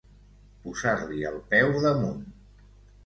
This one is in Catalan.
Posar-li el peu damunt.